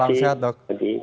salam sehat dok